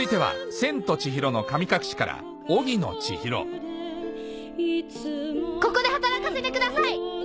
続いてはここで働かせてください！